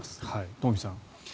東輝さん。